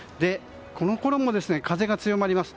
このころも、風が強まります。